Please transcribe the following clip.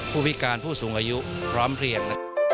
ผู้พิการผู้สูงอายุพร้อมเพลียง